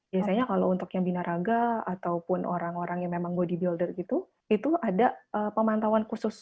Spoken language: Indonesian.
biasanya kalau untuk yang binaraga ataupun orang orang yang memang bodybuilder gitu itu ada pemantauan khusus